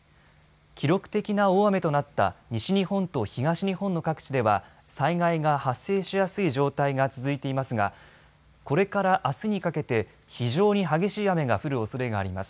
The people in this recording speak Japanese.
記録的な大雨となった西日本と東日本の各地では災害が発生しやすい状態が続いていますがこれからあすにかけて非常に激しい雨が降るおそれがあります。